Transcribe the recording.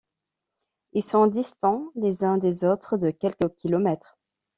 Ils sont distants les uns des autres de quelques kilomètres.